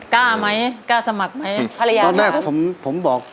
กล้าไหมกล้าสมัครไหมภรรยาตอนแรกผมผมบอก